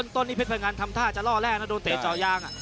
ต้นนี่เผ็ดพะงันทำท่าจะล่อแรกนะโดนเตะจ่อยาง